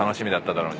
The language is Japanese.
「だろうに」